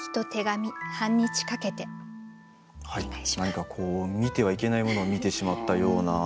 何かこう見てはいけないものを見てしまったような。